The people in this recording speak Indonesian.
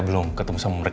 jadi kita dapat namong